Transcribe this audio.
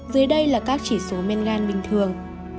dưới đây là các chỉ số men gan bình thường